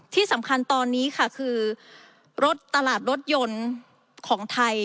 ที่สำคัญตอนนี้ค่ะคือรถตลาดรถยนต์ของไทย